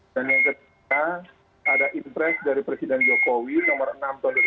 dan yang ketiga ada impres dari presiden jokowi nomor enam tahun dua ribu enam belas